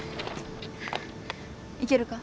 いけるか？